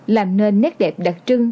là nơi nét đẹp đặc trưng